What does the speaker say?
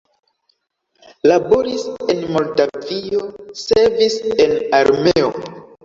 Laboris en Moldavio, servis en armeo.